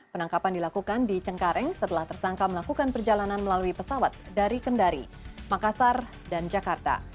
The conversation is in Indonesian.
penangkapan dilakukan di cengkareng setelah tersangka melakukan perjalanan melalui pesawat dari kendari makassar dan jakarta